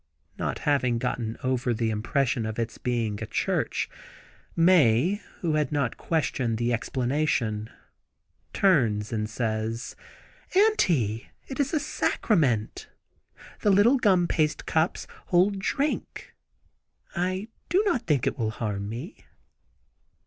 Not having got over the impression of its being a church, Mae, who has not heard the explanation, turns and says: "Auntie, it is a sacrament! The little gum paste cups hold drink. I do not think it will harm me."